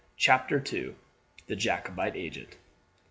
CHAPTER II: The Jacobite Agent.